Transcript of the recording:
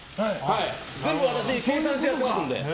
全部私、計算してやってますので。